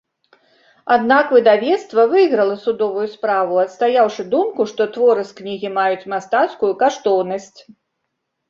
Аднак выдавецтва выйграла судовую справу, адстаяўшы думку, што творы з кнігі маюць мастацкую каштоўнасць.